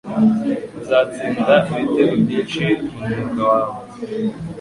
Uzatsinda ibitego byinshi mu mwuga wawe